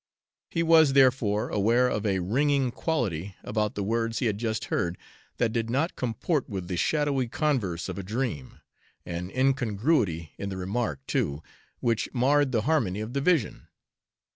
He was therefore aware of a ringing quality about the words he had just heard that did not comport with the shadowy converse of a dream an incongruity in the remark, too, which marred the harmony of the vision.